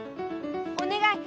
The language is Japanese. おねがい！